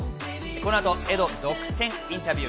この後、エド独占インタビュー。